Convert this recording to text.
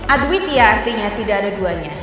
adwitia artinya tidak ada duanya